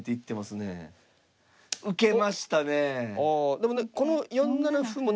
でもね